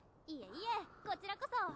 いえいえこちらこそ。